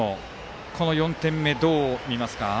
この４点目、どう見ますか？